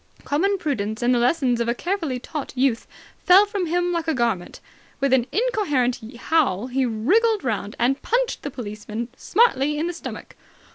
Common prudence and the lessons of a carefully taught youth fell from him like a garment. With an incoherent howl he wriggled round and punched the policeman smartly in the stomach.